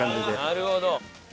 なるほど。